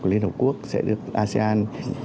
của liên hợp quốc sẽ được asean